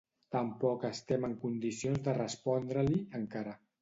Tampoc estem en condicions de respondre-li, encara.